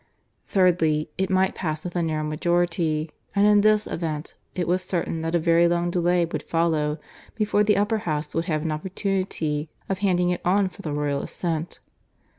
Thirdly, it might pass with a narrow majority; and in this event, it was certain that a very long delay would follow before the Upper House would have an opportunity of handing it on for the Royal assent.